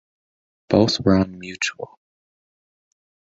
Both were on Mutual.